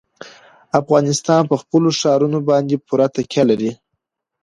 افغانستان په خپلو ښارونو باندې پوره تکیه لري.